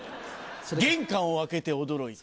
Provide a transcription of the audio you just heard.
玄関を開けて驚いた。